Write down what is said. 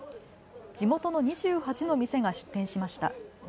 地元の２８の店が出店しました。